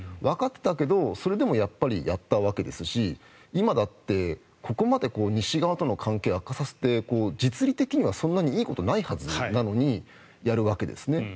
わかっていたけど、それでもやっぱりやったわけですし今だってここまで西側との関係を悪化させて実利的にはそんなにいいことないはずなのにやるわけですね。